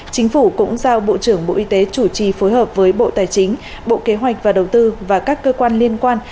chính phủ cũng giao bộ trưởng bộ y tế chủ trì phối hợp với bộ tài chính bộ kế hoạch và đầu tư và các cơ quan liên quan